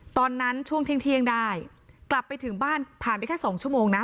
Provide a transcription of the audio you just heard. ช่วงเที่ยงได้กลับไปถึงบ้านผ่านไปแค่สองชั่วโมงนะ